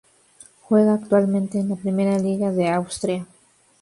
Juega actualmente en la Primera Liga de Austria.